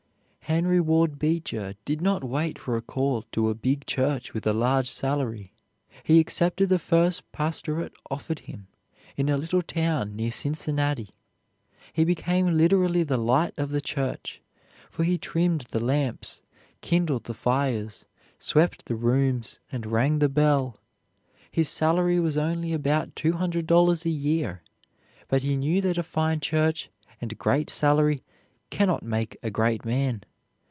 Henry Ward Beecher did not wait for a call to a big church with a large salary. He accepted the first pastorate offered him, in a little town near Cincinnati. He became literally the light of the church, for he trimmed the lamps, kindled the fires, swept the rooms, and rang the bell. His salary was only about $200 a year, but he knew that a fine church and great salary can not make a great man.